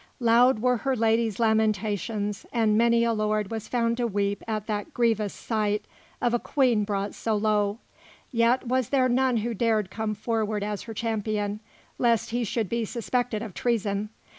Loud were her ladies' lamentations, and many a lord was found to weep at that grievous sight of a Queen brought so low; yet was there none who dared come forward as her champion, lest he should be suspected of treason.